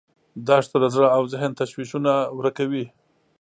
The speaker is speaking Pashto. دښته د زړه او ذهن تشویشونه ورکوي.